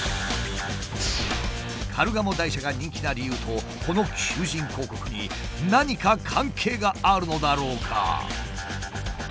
カルガモ台車が人気な理由とこの求人広告に何か関係があるのだろうか？